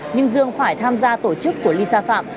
nhưng dương phải tham gia tổ chức của lisa phạm